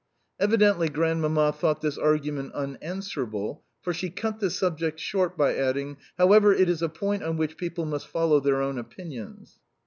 Evidently Grandmamma thought this argument unanswerable, for she cut the subject short by adding: "However, it is a point on which people must follow their own opinions."